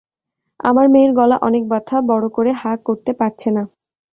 আমার মেয়ের গলা অনেক ব্যথা, বড় করে হা করতে পারছে না।